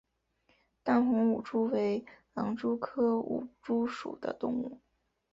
淡红舞蛛为狼蛛科舞蛛属的动物。